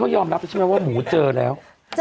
ก็ยอมรับใช่ไหมว่าหมูเจอแล้ว